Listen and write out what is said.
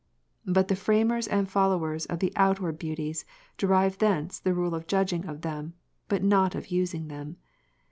But the framers and followers of the outward beauties, derive thence the rule of judging of them, but not of using'' them.